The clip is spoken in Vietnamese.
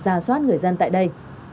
kiểm soát người dân tại đây